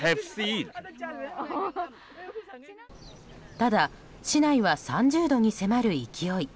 ただ、市内は３０度に迫る勢い。